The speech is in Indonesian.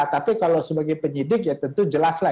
tapi kalau sebagai penyidik ya tentu jelas lah